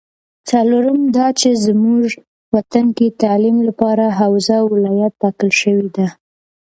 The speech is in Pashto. څلورم دا چې زمونږ وطن کې تعلیم لپاره حوزه ولایت ټاکل شوې ده